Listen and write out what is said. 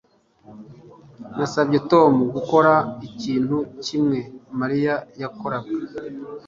Nasabye Tom gukora ikintu kimwe Mariya yakoraga